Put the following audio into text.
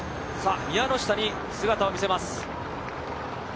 宮ノ下に姿を見せます。